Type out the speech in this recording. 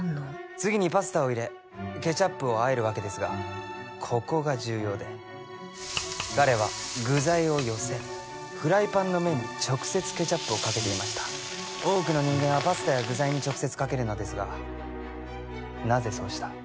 次にパスタを入れケチャップをあえるわけですがここが重要で彼は具材を寄せフライパンの面に直接ケチャップをかけていました多くの人間はパスタや具材に直接かけるのですがなぜそうした？